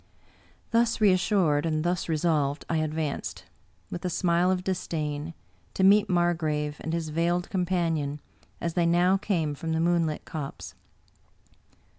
Thus reassured and thus resolved, I advanced, with a smile of disdain, to meet Margrave and his veiled com panion, as they now came from the moonlit copse.